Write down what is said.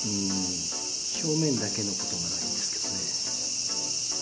表面だけのことならいいんですけどね。